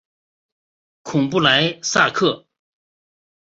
孔布莱萨克。